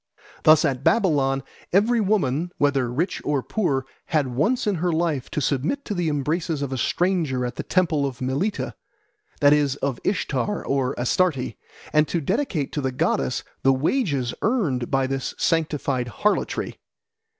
Thus at Babylon every woman, whether rich or poor, had once in her life to submit to the embraces of a stranger at the temple of Mylitta, that is, of Ishtar or Astarte, and to dedicate to the goddess the wages earned by this sanctified harlotry.